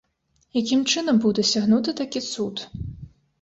Якім чынам быў дасягнуты такі цуд?